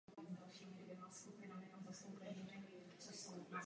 Je to krize, kterou nejsme schopni dostat pod kontrolu.